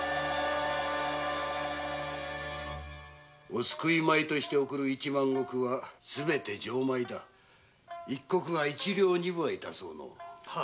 お救い米として送る一万石はすべて上米だ一石が一両二分は致そうの。